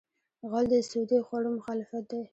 غول د سودي خوړو مخالف دی.